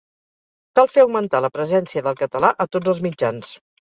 Cal fer augmentar la presència del català a tots els mitjans.